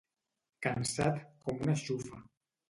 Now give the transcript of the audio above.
Cansat com una xufa.